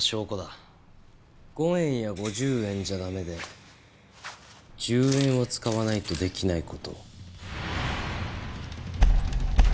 ５円や５０円じゃダメで１０円を使わないとできない事。